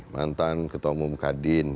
mantan ketua umum kadin